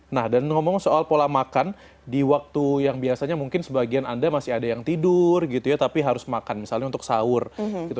nah dan ngomong soal pola makan di waktu yang biasanya mungkin sebagian anda masih ada yang tidur gitu ya tapi harus makan misalnya untuk sahur gitu